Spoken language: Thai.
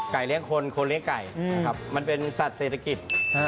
เลี้ยงคนคนเลี้ยงไก่นะครับมันเป็นสัตว์เศรษฐกิจ